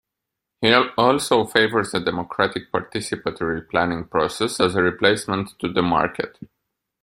He also favors a democratic participatory planning process as a replacement to the market.